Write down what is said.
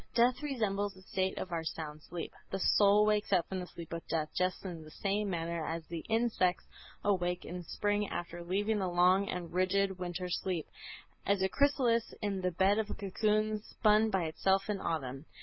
Death resembles the state of our sound sleep. The soul wakes up from the sleep of death just in the same manner as the insects awake in spring after sleeping the long and rigid winter sleep, as a chrysalis in the bed of a cocoon spun by itself in autumn.